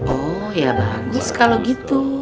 oh ya bagus kalau gitu